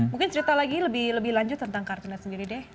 mungkin cerita lagi lebih lanjut tentang kartunet sendiri deh